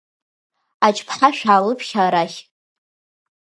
Ач-ԥҳа шәаалыԥхьа арахь!